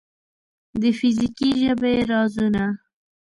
د فزیکي ژبې رازونه